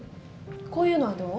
こういうのはどう？